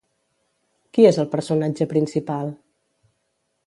Qui és el personatge principal?